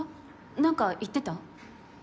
何か言ってた？